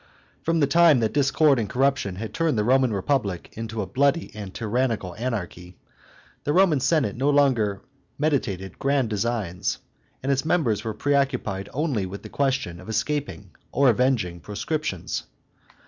From the time that discord and corruption had turned the Roman Republic into a bloody and tyrannical anarchy, the Roman Senate no longer meditated grand designs, and its members were preoccupied only with the question of escaping or avenging proscriptions.